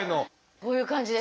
こういう感じです。